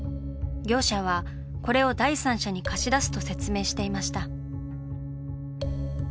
業者はこれを第三者に貸し出すと説明していました。